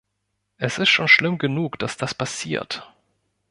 Es ist schon schlimm genug, dass das passiert.